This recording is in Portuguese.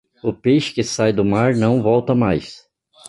O peixe que sai do mar não volta mais.